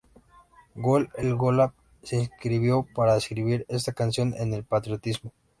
Gol-e-Golab se inspiró para escribir esta canción en el patriotismo.